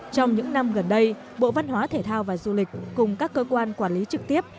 trong những năm gần đây bộ văn hóa thể thao và du lịch cùng các cơ quan quản lý trực tiếp